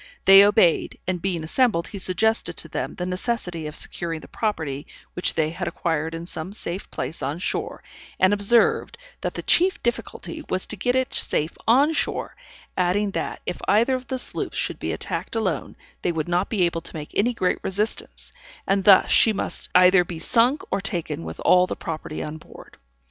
They obeyed, and being assembled, he suggested to them the necessity of securing the property which they had acquired in some safe place on shore, and observed, that the chief difficulty was to get it safe on shore; adding that, if either of the sloops should be attacked alone, they would not be able to make any great resistance, and thus she must either be sunk or taken with all the property on board.